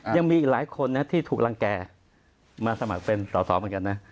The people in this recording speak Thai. ยังมีอีกหลายคนนะที่ถูกรังแก่มาสมัครเป็นสอสอเหมือนกันนะ